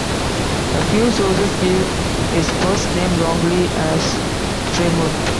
A few sources give his first name wrongly as "Freimuth".